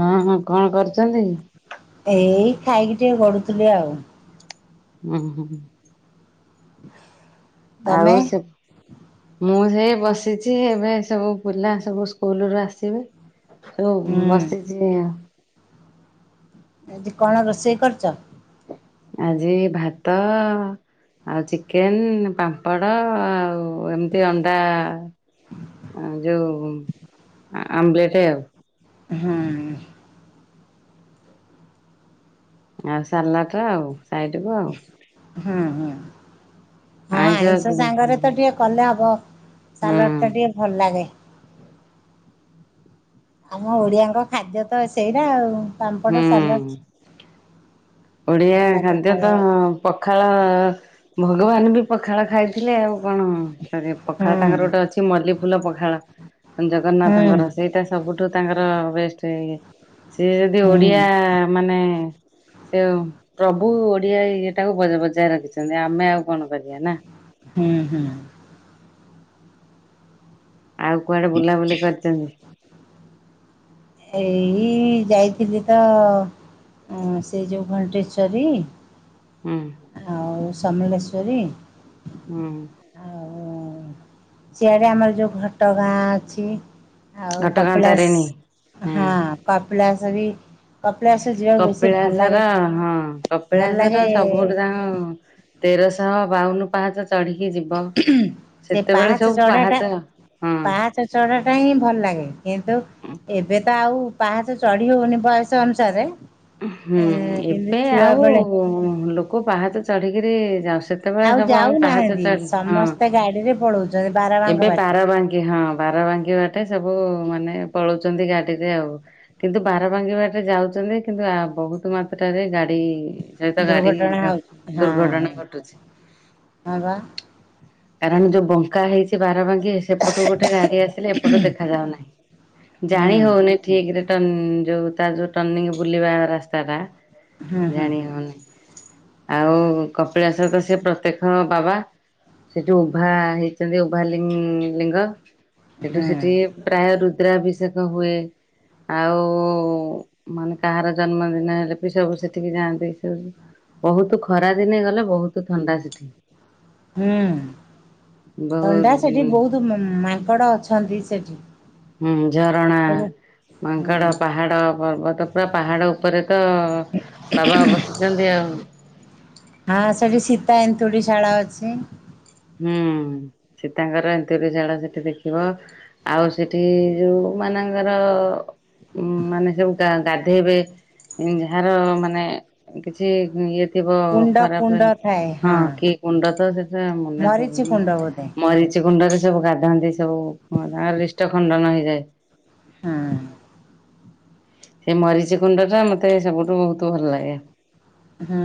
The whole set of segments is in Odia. ହଁ ହଁ କଣ କରୁଛନ୍ତି? ଏଇ ଖାଇକି ଟିକେ ଗଡୁଥିଲି ଆଉ। ହୁଁ ହୁଁଁ। ତମେ ଆଉ ସେ ମୁଁ ସେଇ ବସିଛି ଏବେ ସବୁ ପିଲା ସବୁ ସ୍କୁଲରୁ ଆସିବେ। ଓ ହୁଁ ବସିଛି ଆଉ। ଆଜି କଣ ରୋଷେଇ କରିଛ? ଆଜି ଭାତ ଆଉ ଚିକେନ ପାମ୍ପଡ଼ ଆଉ ଏମିତି ଅଣ୍ଡା ଆ ଯୋଉ ଆ ଆମ୍ଲେଟ ଆଉ। ହୁଁ। ଆଉ ସାଲାଟ ଆଉ ସାଇଟକୁୁ ଆଉ। ହୁଁ ଉଁ। ହଁ ଆଇଁଷ ସାଙ୍ଗରେ ତ ଟିକେ କଲେ ହବ ହୁଁ ସାଲଟ ଟା ଟିକେ ଭଲ ଲାଗେ। ଆମ ଓଡିଆଙ୍କ ଖାଦ୍ୟ ତ ସେଇଟା ଆଉ ପାମ୍ପଡ ସାଲଟ। ଓଡିଆ ଖାଦ୍ୟ ତ ଖାଇବାକୁ ପଖାଳ ଭଗବାନ ବି ପଖାଳ ଖାଇଥିଲେ ଆଉ କଣ କରି ପଖାଳ ହୁଁ ତାଙ୍କର ଗୋଟେ ଅଛି ମଲ୍ଲି ଫୁଲ ପଖାଳ। ହୁଁ ଜଗନ୍ନାଥଙ୍କର ସେଇଟା ସବୁଠୁ ତାଙ୍କର ବେଷ୍ଟ ଇଏ। ସିଏ ଯଦି ହୁଁ ଓଡିଆ ମାନେ ସେ ପ୍ରଭୁ ଓଡିଆ ଇଏଟାକୁ ବଜ୍ ବଜାୟ ରଖିଛନ୍ତି ଆମେ ଆଉ କଣ କରିବା ନା। ହୁଁ ହୁଁ। ଆଉ କୁଆଡେ ବୁଲାବୁଲି କରିଛନ୍ତି? ଏଇ ଯାଇଥିଲି ତ ଅଁ ସେ ଯେଉଁ ଘଣ୍ଟେଶ୍ଵରୀ। ହୁଁ। ଆଉ ସମଲେଶ୍ଵରୀ। ହୁଁ ହୁଁ। ସିଆଡେ ଆମର ଯୋଉ ଘଟ ଗାଁ ଅଛି। ଆଉ ଘଟଗାଁ ତାରିଣୀ। କପିଳାସ ହୁଁ। ହଁ କପିଳାସ ବି କପିଳାସ ଯିବାକୁ ବେଶୀ ଭଲ ଲାଗେ କପିଳାସର ହଁ ଭଲ କପିଳାସର ଲାଗେ ସବୁଠୁ ତାଙ୍କ ତେରଶହ ବାଉନ ପାହାଚ ଚଢିକି ଯିବ। ସେ ସେତେବେଳେ ପାହାଚ ସବୁ ଚଢ଼ାଟା ପାହାଚ ହଁ-। ପାହାଚ ଚଢ଼ାଟା ହିଁ ଭଲ ଲାଗେ। କିନ୍ତୁ ଏବେ ତ ଆଉ ପାହାଚ ଚଢି ହଉନି ବୟସ ଅନୁସାରେ। ହୁଁ ଏଁ କିନ୍ତୁ ଏବେ ଛୁଆ ଆଉ ବେଳେ ଲୋକ ପାହାଚ ଚଢିକିରି ଯାଉ ସେ ସେତେବେଳେ ଆଉ ସବୁ ଆମ ପାହାଚ ଯାଉନାହାନ୍ତି ଚଢ଼ି ହଁ ସମସ୍ତେ ଗାଡ଼ିରେ ପଳଉଛନ୍ତି ବାରବାଙ୍କ ଏବେ ପାଟି ବାରବାଙ୍କ କି ହଁ ବାର ବାଙ୍କି ବାଟେ ସବୁ ମାନେ ପଳଉଛନ୍ତି ଗାଡିରେ ଆଉ। କିନ୍ତୁ ବାରବାଙ୍କି ବାଟେ ଯାଉଛନ୍ତି କିନ୍ତୁ ଆ ବହୁତ ମାତ ଟରେ ଗାଡି ସହିତ ଗାଡି ଦୁର୍ଘଟଣା ଧ ହଉଛି ହଁ ହଁ ଦୁର୍ଘଟଣା ଘଟୁଛି। ହଁ ବା। କାରଣ ଯୋଉ ବଙ୍କା ହେଇଛି। ବାରବାଙ୍କି ସେପଟୁ ଗୋଟେ ଗାଡି ଆସିଲେ ଏପଟୁ ଦେଖାାଯାଉ ନାହିଁ ହୁଁ ଜାଣି ହଉନି ଠିକ୍ ରେ। ଯୋଉ ତା ଯୋଉ ଟର୍ନିଂ ବୁଲିବା ରାସ୍ତା ଟା ହୁଁ ହୁଁ ଜାଣି ହୁଁ ହଉନି। ଆଉ କପିଳାସ ତ ସେ ପ୍ରତ୍ୟେକ ବାବା। ସେଠୁ ଉଭା ହେଇଚନ୍ତି ଉଭା ଲି ଲିଙ୍ଗ ସେଠୁ ହୁଁ। ସେଠି ପ୍ରାୟ ରୁଦ୍ରାଭିଷେକ ହୁଏ ଆଉ ମାନେ କାହାର ଜନ୍ମଦିନ ହେଲେ ବି ସବୁ ସେଠିକି ଯାଆନ୍ତି ଏସବୁ। ବହୁତୁ ଖରା ଦିନ ଗଲେ ବହୁତୁ ଥଣ୍ଡା ସେଠି। ହୁଁ ଥଣ୍ଡା ସେଠି ବହୁତ ବୋହୁତୁ ମାଙ୍କଡ ଅଛନ୍ତି ସେଠି। ହୁଁ ଝରଣା ହୁଁ ମାଙ୍କଡ଼ ପାହାଡ଼ ପର୍ବତ ପୁରା ପାହାଡ଼ ଉପରେ। ତ ବାବା ବସିଚନ୍ତି ଆଉ। ହଁ ସେଠ ସୀତା ଏ ନ୍ତେଡ଼ି ଶାଳ ଅଛି। ହୁଁ ସୀତାଙ୍କର ଏନ୍ତୁଡି ଶାଳ ସେଠି ଦେଖିବ। ଆଉ ସେଠି ଯୋଉ ମାନଙ୍କର ଉଁ ମାନେ ଯୋଟା ଗାଧେଇବେ। ଯାହାର ମାନେ କିଛି ଇଏ ଥିବ କୁଣ୍ଡ ଖରାପ କୁଣ୍ଡ ଥାଏ ହଁ କି କୁଣ୍ଡ ତ ସେଟା ମନେ ମରିଚି ପଡୁନି କୁଣ୍ଡ ବୋଧେ ମରିଚି କୁଣ୍ଡରେ ସବୁ ଗାଧାନ୍ତି ସବୁ ତାଙ୍କର ଲିଷ୍ଟ ଖଣ୍ଡନ ହେଇଯାଏ। ହଁ। ସେ ମରିଚି କୁଣ୍ଡଟା ମତେ ସବୁଠୁ ବହୁତ ଭଲ ଲାଗେ। ହୁଁ।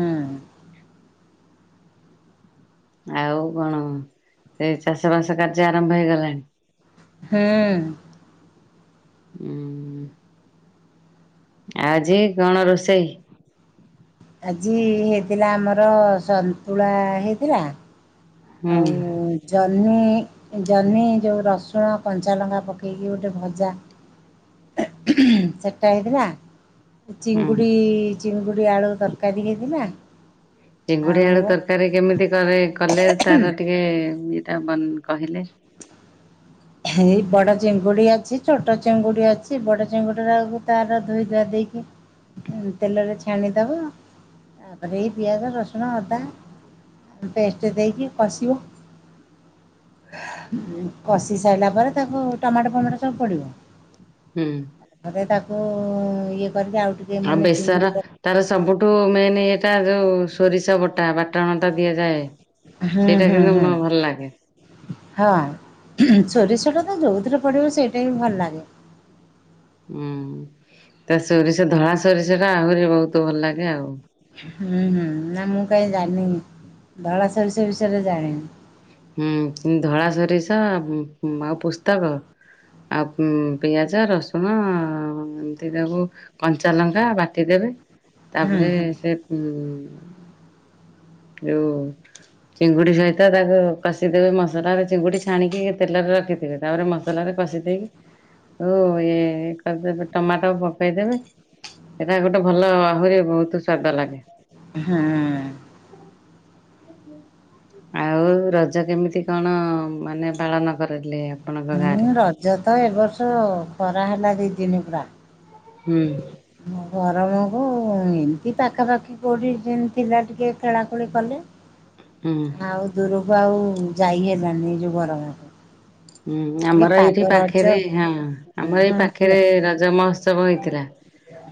ଆଉ କଣ ସେଇ ଚାଷ ବାସ କାର୍ଯ୍ୟ ଆରମ୍ଭ ହେଇଗଲାଣି? ହୁଁ। ଉଁ। ଆଉ ଆଜି କଣ ରୋଷେଇ? ଆଜି ହେଇଥିଲା ଆମର ସନ୍ତୁଳା ହେଇଥିଲା। ହୁଁ ଆଉ ଜହ୍ନି ଜହ୍ନି ଯେଉଁ ରସୁଣ କଞ୍ଚାଲଙ୍କା ପକେଇକି ଗୋଟେ ଭଜା। ସେଟା ହେଇଥିଲା। ହୁଁ। ଚିଙ୍ଗୁଡ଼ି ଚିଙ୍ଗୁଡ଼ି ଆଳୁ ତରକାରୀ ହେଇଥିଲା। ଚିଙ୍ଗୁଡ଼ି ଆଳୁ ଆଉ ତରକାରୀ କେମିତି କରେ କଲେ ତାର ଟିକେ ମୀତ୍ ତା ବନ୍ କହିଲେ? ହେଇ ବଡ଼ ଚିଙ୍ଗୁଡ଼ି ଅଛି, ଛୋଟ ଚିଙ୍ଗୁଡ଼ି ଅଛି, ବଡ଼ ଚିଙ୍ଗୁଡ଼ି ଟାକୁ ତାର ଧୋଇ ଧୁଆ ଦେଇକି ହୁଁ ତେଲରେ ଛାଣିଦବ ତାପରେ ଏଇ ପିଆଜ, ରସୁଣ, ଅଦା ପେଷ୍ଟେ ଦେଇକି କଷିବ, କଷିବ। କଷି ସି ସାଇଲା ପରେ ତାକୁ ଟମାଟୋ ଫମାଟୋ ସବୁ ପଡ଼ିବ। ହୁଁ। ତାପରେ ତାକୁ ଇଏ କରିକି ଆଉ ଟିକେ ଆଉ ମାନେ ବେସର। ଚିଙ୍ଗୁଡ଼ି ପକେଇ ତାର ସବୁଠୁ ମେନେ ଇଏଟା ଯୋଉ ସୋରିଷ ବଟା ବାଟଣଟା ଦିଆଯାଏ। ହଁ ସେଇଟା ହଁ କିନ୍ତୁ ହଁ ମୋ ଭଲ ଲାଗେ। ହଁ ସୋରିଷୋଟା ତ ଯୋଉଥିରେ ପଡ଼ିବ ସେଇଟା ହିଁ ଭଲ ଲାଗେ। ହୁଁ ତ ସୋରିଷ ଧଳା ସୋରିଷ ଟା ଆହୁରି ବହୁତ ଭଲ ଲାଗେ ଆଉ। ହୁଁ, ହୁଁ, ନା ମୁଁ କାଇଁ ଜାଣିନେହିଁ ଧଳା ସୋରିଷ ବିଷୟରେ ଜାଣିନି। ହୁଁ ଧଳା ସୋରିଷ ଆଉ ପୋସ୍ତକ। ଆଉ ପିଆଜ, ରସୁଣ ଏମିତି ତାକୁ କଞ୍ଚା ଲଙ୍କା ବାଟିଦବେ, ହଁ ତାପରେ ହଁ ସେ ଉଁ ଯୋଉ ଚିଙ୍ଗୁଡ଼ି ସହିତ ତାକୁ କଷିଦେବେ ମସଲାରେ ଚିଙ୍ଗୁଡ଼ି ଛାଣିକି ତେଲରେ ରଖିଥିବେ, ତାପରେ ମସ ମସଲାରେ କଷି ଦେଇେକି ଯୋଉ ଇଏ କରିଦେବେ ଟୋମାଟୋ ପକେଇଦେବେ। ସେଇଟା ଗୋଟେ ଭଲ ଆହୁରି ବହୁତ ସ୍ଵାଦ ଲାଗେ। ହୁଁ। ଆଉ ରଜ କେମିତି କଣ ମାନେ ପାଳନ କରିଲେ ଆ ହୁଁ, ରଜ ତ ଏ ବର୍ଷ ଖରା ହେଲା ଦି ଦିନ ପୁରା। ହୁଁ। ଗରମକୁ ଏମିତି ପାଖାପାଖି କେଉଁଠି ଯେମିତି ଥିଲା ଟିକେ ଖେଳାଖେଳି କଲେ। ହୁଁ। ଆଉ ଦୂରକୁ ଆଉ ଯାଇ ହେଲନି ଏ ଯୋଉ ଗରମ। ହୁଁ, ଆମର ଏଇଠି ପାଖରେ ହଁ ହୁଁ ଆମର ଏଇ ହୁଁ ପାଖରେ ରଜ ମହୋ ତ୍ସବ ହେଇଥିଲା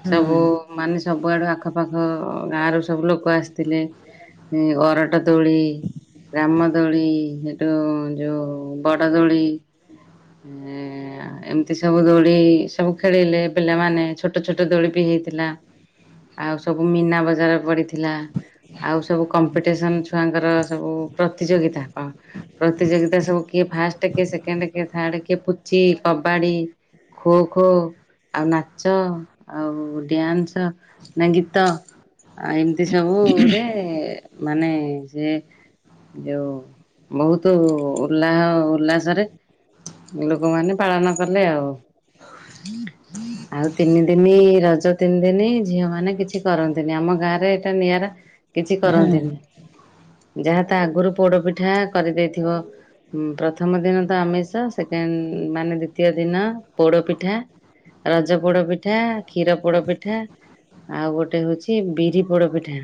ସବୁ ମାନେ ସବୁଆଡ଼ୁ ଆଖପାଖ ଗାଁରୁ ସବୁ ଲୋକ ଆସିଥିଲେ। ଅରଟ ଦୋଳି, ରାମ ଦୋଳି, ସେଠୁ ଯୋଉ ବ [inaudible] ଦୋଳି। ଏଁ ଆ ଏମତି ସବୁ ଦୋଳି ସବୁ ଖେଳିଲେ ପିଲାମାନେ ଛୋଟ ଛୋଟ ଦୋଳି ବିି ହେଇଥିଲା। ଆଉ ସବୁ ମୀନା ବଜାର ପଡିିଥି ଥିଲା, ଆଉ ସବୁ କମ୍ପିଟିସନ୍ ଛୁଆଙ୍କର ସବୁ ପ୍ରତିଯୋଗିତା ହଁ। ପ୍ରତିଯୋଗିତା ସବୁ କିଏ ଫାଷ୍ଟେ, କିଏ ସେକେଣ୍ଡେ କିଏ ଥାଡେ, କିଏ ପୁଚି କି କବାଡି, ଖୋଖୋ ଆଉ ନାଚ, ଆଉ ଡ୍ୟାନ୍ସ, ନା ଗୀତ। ଆଉ ଏମତି ସବୁ ଗୁରେ ମାନେ ସେ ଯେଉଁ ବହୁତ ଉଲ୍ଲାହ ଉଲ୍ଲାସରେ ଲୋକମାନେ ପାଳନ କଲେ ଆଉ। ଆଉ ତିନି ଦିନି ରଜ ତିନ ଦିନି ଝିଅ ମାନେ କିଛି କରନ୍ତିନି, ଆମ ଗାଁ ରେ ଏଇଟା ନିଆରା। କିଛି ହୁଁ କରନ୍ତିନି। ଯାହା ତା ଆଗରୁ ପୋଡପିଠା କରିଦେଇଥିବ, ପ୍ରଥମ ଦିନ ତ ଆମେ ତ ସେଥିପାଇଁ ମାନେ ଦ୍ଵିତୀୟ ଦିନ ପୋଡପିଠା ରଜ ପୋଡ ପିଠା, କ୍ଷୀର ପୋଡ ପିଠା ଆଉ ଗୋଟେ ହଉଚି ବିରି ପୋଡ ପିଠା।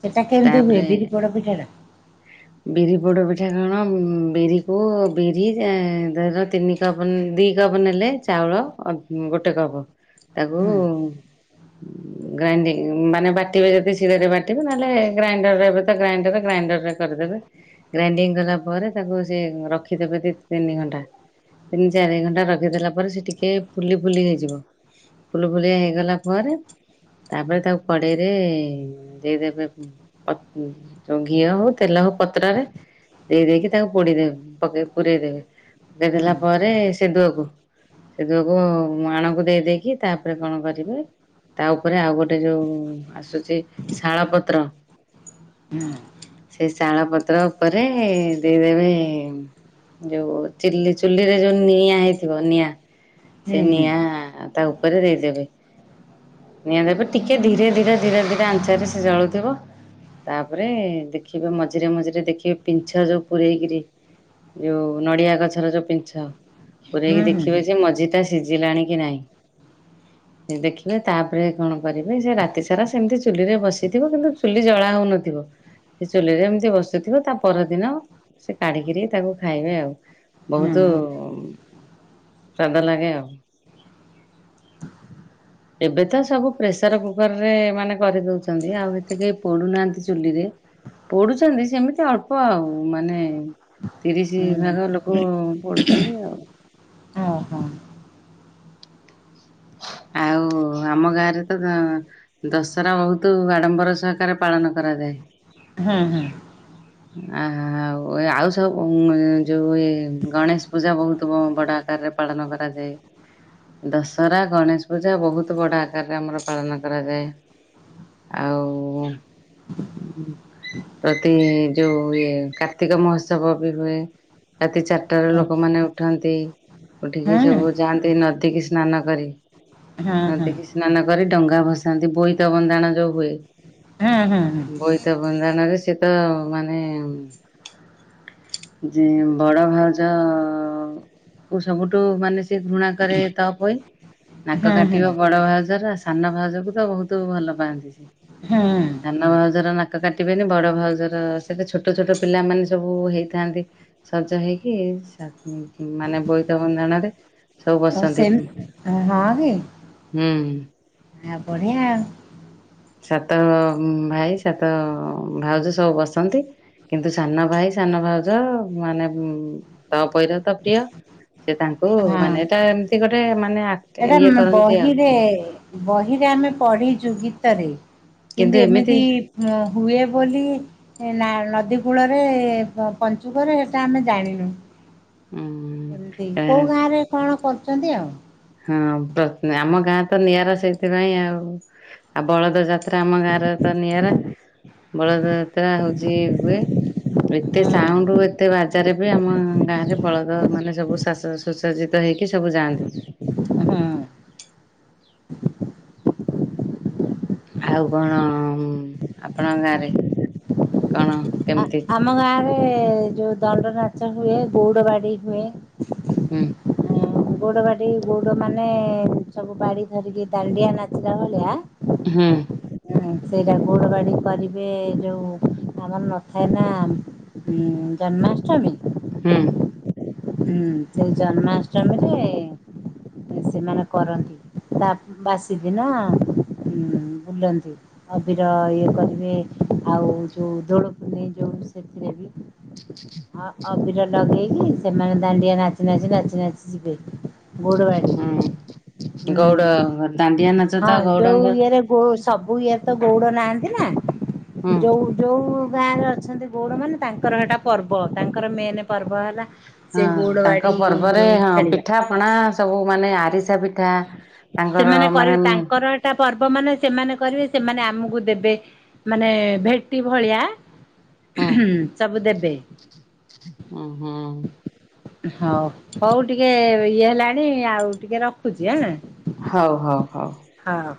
ସେଟା କେମିତି ହୁଏ ତାପରେ ବିରି ପୋଡ ପିଠା ଟା? ବିରି ପୋଡ଼ ପିଠା କଣ ବିରିକୁ ବିରି ଧର ତିନି କପ୍ ଦି କପ୍ ନେଲେ ଚାଉଳ ଅ ଗୋଟେ କପ୍। ତାକୁ ହୁଁ ଗ୍ରାଇଣ୍ଡିଙ୍ଗ ମାନେ ବାଟିବେ ଯଦି ଶିଳରେ ବାଟିବେ ନହଲେ ଗ୍ରାଇଣ୍ଡରରେ ଏବେ ତ ଗ୍ରାଇଣ୍ଡର, ଗ୍ରାଇଣ୍ଡରରେ କରିଦେବେ। ଗ୍ରାଇଣ୍ଡିଙ୍ଗ କଲା ପରେ ତାକୁ ସେ ରଖିଦଦେବେ ଦି ତିନି ଘଣ୍ଟା। ତିନି ଚାରି ଘଣ୍ଟା ରଖିଦେଲା ପରେ ସେ ଟିକେ ଫୁଲି ଫୁଲି ହେଇଯିବ। ଫୁଲୁ ଫୁଲିଆ ହେଇଗଲା ପରେ ତାପରେ ତାକୁ କଡେଇରେ ଦେଇଦେବେ। ପ ଯଉ ଘିଅ ହଉ ତେଲ ହଉ ପତ୍ରରେ ଦେଇ ଦେଇକି ତାକୁ ପୋଡିଦେ ପକେ ପୁରେଇ ଦେବେ ପୁରେଇ ହୁଁ ଦେଲା ପରେ ସେ ଦୁଅକୁ ସେ ଯୋଗୁ ମାଣକୁ ଦେଇ ଦେଇକି ତାପରେ କଣ କରିବେ ତା ଉପରେ ଆଉ ଗୋଟେ ଯୋଉ ଆସୁଚି ଶାଳ ପତ୍ର। [unintelligible] ସେ ସାଣ ପତ୍ର ଉପରେ ଦେଇଦେବେ ଯୋଉ ଚିଲି ଚୁଲିରେ ଯୋଉ ନିଆଁ ହେଇଥିବ ନିଆଁ ହୁଁ ସେଇ ହୁଁ ନିଆଁ ତା ଉପରେ ଦେଇଦେବେ। ନିଆଁଟାବି ଟିକେ ଧୀରେ ଧୀରେ ଧୀରେ ଧୀରେ ଆଞ୍ଚେରେ ସେ ଜଳୁଥିବ। ତାପରେ ଦେଖିବେ ମଝିରେ ମଝିରେ ଦେଖିବେ ପିଂଛ ଯୋଉ ପୁରେଇକିରି। ଯୋଉ ନଡିଆ ଗଛର ଯୋଉ ପିଞ୍ଛ। ହୁଁ ପୁରେଇକି ହୁଁ ହୁଁ ଦେଖିବେ ଯେ ମଝିଟା ସିଜିଲାଣି କି ନାହିଁ ଦେଖିବେ। ତାପରେ କଣ କରିବେ ଯେ ରାତି ସାରା ସେମତି ଚୁଲିରେ ବସିଥିବ କିନ୍ତୁ ଚୁଲି ଜଳା ହଉନଥିବ। ସେ ଚୁଲିରେ ଏମତି ବସିଥିବ ତା ପରଦିନ ସେ କାଢିକିରି ତାକୁ ଖାଇବେ ଆଉ। ହୁଁ ବହୁତୁ ହୁଁ। ସ୍ୱାଦ ଲାଗେ ଆଉ। ଏବେ ତ ସବୁ ପ୍ରେସର କୁକର ରେ ମାନେ କରିଦଉଛନ୍ତି ଆଉ ହେତେ କେହି ପୁଡୁନାହାନ୍ତି ଚୁଲିରେ। ପୋଡୁଚନ୍ତି ସେମିତି ଅଳ୍ପ ଆଉ ମାନେ ତିରିଶି ହୁଁ ଭାଗ ଲୋକ। ପୋଡୁଚନ୍ତି ଆଉ ହଁ ହଁ। ଆଉ। ଓ ଆମ ଗାଁରେ ତ ଦ ଦଶରା ବହୁତୁ ଆଡମ୍ବର ସହକାରେ ପାଳନ କରାଯାଏ। ହୁଁ ହୁଁ। ଆ ଆଉ ଆଉ ସବୁ ଯୋଉ ଇ ଗଣେଶ ପୂଜା ବହୁତ ବଡ ଆକାରରେ ପାଳନ କରାଯାଏ। ଦଶହରା ଗଣେଶ ପୂଜା ବହୁତ ବଡ଼ ଆକାରରେ ଆମର ପାଳନ କରାଯାଏ। ଆଉ ପ୍ରତି। ଯୋଉ ଇଏ କାର୍ତ୍ତିକ ମହୋତ୍ସବ ବି ହୁଏ। ରାତି ଚାରିଟା ରୁ ହୁଁ ଲୋକମାନେ ଉଠନ୍ତି। ଉଠିକି ହଁ ସବୁ ଯାଆନ୍ତି ନଦୀ କିି ସ୍ନାନ କରି ହଁ ନଦୀ କି। ସ୍ନାନ କରି ଡଙ୍ଗା ଭସାନ୍ତି ବୋଇତ ବନ୍ଦାଣ ଯୋଉ ହୁଏ ହଁ ବୋଇ ବୋଇତ ବନ୍ଦାଣ ରେ ସିଏତ ମାନେ ଯେ ବଡ ଭାଉଜ ତାକୁ ସବୁଠୁ ମାନେ ସେ ଘୃଣା କରେ ତପୋଇ। ନାକ ହଁ ହଁ କାଟିବ ହଁ ବଡ ଭାଉଜର ସାନ ଭାଉଜକୁ ତ ବହୁତ ଭଲ ପାଆନ୍ତି। ହଁ। ସାନ ଭାଉଜର ନାକ କାଟିବେନି ବଡ ଭାଉଜର କେତେ ଛୋଟ ଛୋଟ ପିଲାମାନେ ସବୁ ହେଇଥାନ୍ତି। ସଜ ହେଇକି ମାନେ ବୋଇତ ବନ୍ଦାଣରେ। ସବୁ ଓ ବସନ୍ତି ସେ ହଁ କି। ହୁଁ। ଆ ବଢ଼ିଆ ଆଉ। ସାତ ଭାଇ ସାତ ଭାଉଜ ସବୁ ବସନ୍ତି। କିନ୍ତୁ ସାନ ଭାଇ ସାନ ଭାଉଜ ମାନେ ତପୋଇ ର ତ ପ୍ରିୟ। ସେ ତାଙ୍କୁ ହଁ। ମାନେ ଏଇଟା ଏମିତି ଗୋଟେ ମାନେ ସେଟା ଇଏ କରନ୍ତି ଆଉ ବହିରେ ବହିରେ ଆମେ ପଢିଛୁ ଗୀତରେ। କିନ୍ତୁ ଏମିତି ହୁଏ ବୋଲି ନା ନଦୀ କୂଳରେ ପଞ୍ଚୁକରେ ସେଟା ଆମେ ଜାଣିନୁ। ଉଁ ଏମିତି କୋଉ ଗାଁ ରେ କଣ କରୁଛନ୍ତି ଆଉ। ହଁ ପ୍ର ଆମ ଗାଁ ତ ନିଆରା ସେଇଥିପାଇଁ ଆଉ। ଆଉ ବଳଦ ଯାତ୍ରା ଆମ ଗାଁରେ ତ ନିଆରା। ବଳଦ ଯାତ୍ରା ହଉଛି ହୁଏ। ହୁଁ ଏତେ ସାଉଣ୍ଡ ହୁଁ। ଏତେ ବାଜାରେ ବି ଆମ ଗାଁ ରେ ବଳଦ ମାନେ ସବୁ ଶାଷ ସୁସଜିତ ହେଇକି ସବୁ ଯାଆନ୍ତି। ଆଉ କଣ ଆପଣଙ୍କ ଗାଁ ରେ କଣ କେମିତି? ଆମ ଗାଁ ରେ ଯୋଉ ଦଣ୍ଡ ନାଚ ହୁଏ ଗଉଡ ବାଡି ହୁଏ। ହୁଁ। ଗୋଡ଼ ବାଟି ଗୋଡ଼ ମାନେ ସବୁ ବାଡି ଧରିକି ଦାଣ୍ଡିଆ ନାଚିଲା ଭଳିଆ ହୁଁ। ହୁଁ ସେଇଟା ଗୋଡ ବାଡି କରିବେ ଯୋଉ ଆମର ଥାଏନାଁ ଉଁ ଜନ୍ମାଷ୍ଟମୀ। ହୁଁ। ହୁଁ ସେଇ ଜନ୍ମାଷ୍ଟମୀରେ ସେମାନେ କରନ୍ତି ତା ବାସି ଦିନ ଉମ ବୁଲନ୍ତି। ଅବିର ଇଏ କରିବେ ଆଉ ଯେଉଁ ଦୋଳ ପୁନିଇ ଯେଉ ସେଥିରେ ବି। ଅବିର ଲଗେଇକି ସେମାନେ ଦାଣ୍ଡିଆ ନାଚି ନାଚି ନାଚି ନାଚି ଯିବେ। ଗୋଡବାଡି ହୁଁ ଗଉଡ଼ ହୁଁ ଦାଣ୍ଡିଆ ନାଚ ହଁ ତ ଯୋଉ ଗଉଡ଼ଙ୍କ ଇଏରେ ଗୋସ ସବୁ ଇଏରେ ତ ଗଉଡ ନାହାଁନ୍ତି ନା ହୁଁ ଯୋଉ ଯୋଉ ଗାଁରେ ଅଛନ୍ତି ଅଛନ୍ତି ଗୌଡ ମାନେ ତାଙ୍କର ସେଟା ପର୍ବ ତାଙ୍କର ମେନ୍ ପର୍ବ ହେଲା। ହଁ ସେ ଗଉଡ଼ ବାଡି ତାଙ୍କ ପର୍ବରେ ଯୋଉ ହଁ ଖେଳିବା। ପିଠା ପଣା ସବୁ ମାନେ ଆରିସା ପିଠା ତାଙ୍କର ମାନେ ତା ପର୍ବ ମାନେ ସେମାନେ କରିବେ ସେମାନେ ଆମକୁ ଦେବେ। ମାନେ ଭେଟି ଭଳିଆ। ହଁ ସବୁ ଦେବେ। ଉ ହଁ। ହଉ ହଉ ଟିକେ ଇଏ ହେଲାଣି ଆଉ ଟିକେ ରଖୁଛି ହାଁ। ହଉ ହଉ ହଉ। ହଁ।